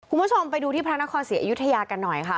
คุณผู้ชมไปดูที่พระนครศรีอยุธยากันหน่อยค่ะ